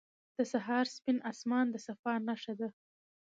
• د سهار سپین آسمان د صفا نښه ده.